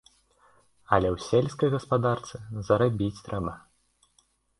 Але ў сельскай гаспадарцы зарабіць трэба.